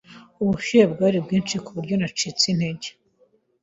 Ubushyuhe bwari bwinshi ku buryo nacitse intege.